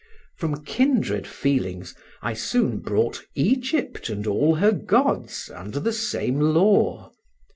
From kindred feelings, I soon brought Egypt and all her gods under the same law.